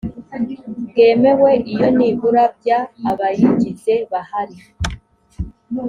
bwemewe iyo nibura bya abayigize bahari